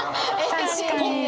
確かに。